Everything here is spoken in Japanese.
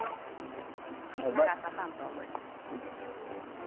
はい長さ３等分に。